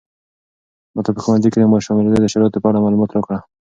ماته په ښوونځي کې د شاملېدو د شرایطو په اړه معلومات راکړه.